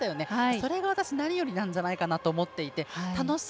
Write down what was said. それが私なによりなんじゃないかと思っていて。